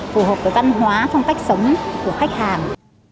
phù hợp với văn hóa phong cách sống của khách hàng